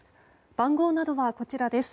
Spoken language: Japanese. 番号などはこちらです。